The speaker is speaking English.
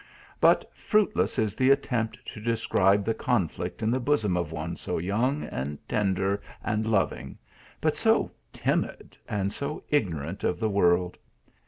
But fruitless is the attempt to describe the conflict in the bosom of one so young, and tender, and loving, but so dmid and so ignorant of the world.